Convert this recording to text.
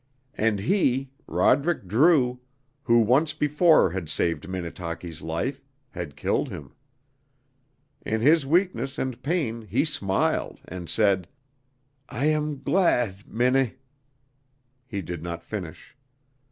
And he, Roderick Drew, who once before had saved Minnetaki's life, had killed him. In his weakness and pain he smiled, and said, "I am glad, Minne " He did not finish.